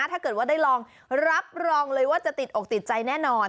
ถ้าเกิดว่าได้ลองรับรองเลยว่าจะติดอกติดใจแน่นอน